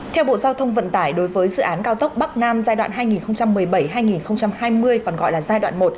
theo bộ giao thông vận tải đối với dự án cao tốc bắc nam giai đoạn hai nghìn một mươi bảy hai nghìn hai mươi còn gọi là giai đoạn một